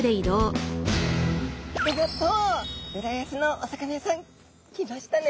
浦安のお魚屋さん来ましたね。